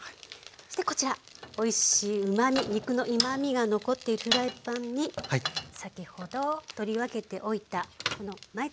そしてこちらおいしいうまみ肉のうまみが残っているフライパンに先ほど取り分けておいたこのまいたけ。